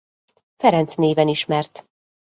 Ferenc néven ismert.